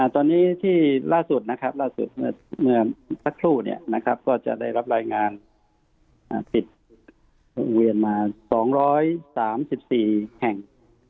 ตอนนี้ที่ล่าสุดเมื่อสักครู่ก็จะได้รับรายงานปิดโรงเรียนมา๒๓๔แห่ง